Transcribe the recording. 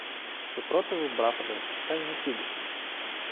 — Супротиву братових гостей не піду.